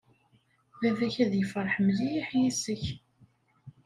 Baba-k ad yefṛeḥ mliḥ yis-k.